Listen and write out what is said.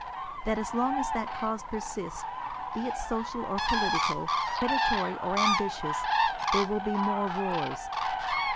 That as long as that cause persists, be it social or political, predatory or ambitious, there will be more wars.